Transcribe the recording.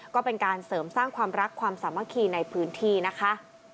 ก็เป็นการเสริมสร้างความรักความสามัคคีในพื้นที่นะคะ